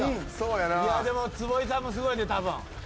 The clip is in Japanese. でも坪井さんもすごいねたぶん。